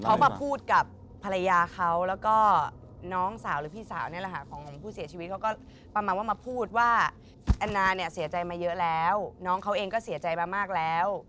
เขามาพูดกับภรรยาเขาแล้วก็น้องสาวหรือพี่สาวนี่แหละค่ะของผู้เสียชีวิตเขาก็ประมาณว่ามาพูดว่าแอนนาเนี่ยเสียใจมาเยอะแล้วน้องเขาเองก็เสียใจมามากแล้ว